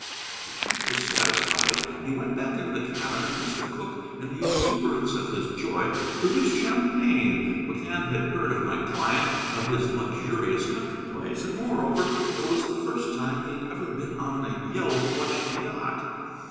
The chief was satisfied. He went back into the cabin, and Mr. Cooke, in the exuberance of his joy, produced champagne. McCann had heard of my client and of his luxurious country place, and moreover it was the first time he had ever been on a yellow plush yacht.